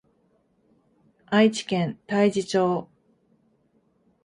愛知県大治町